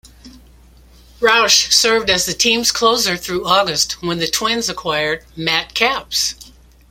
Rauch served as the team's closer through August, when the Twins acquired Matt Capps.